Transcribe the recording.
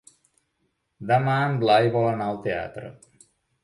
Demà en Blai vol anar al teatre.